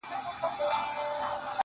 هغه ساعت، هغه غرمه، هغه د سونډو زبېښل~